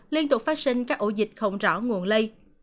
liên tục phát sinh các ổ dịch không rõ nguồn lây